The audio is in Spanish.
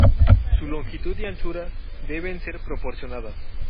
Su longitud y anchura deben ser proporcionadas.